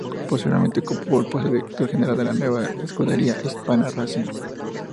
Posteriormente ocupó el puesto de director gerente de la nueva escudería Hispania Racing.